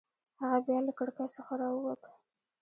هغه بیا له کړکۍ څخه راووت.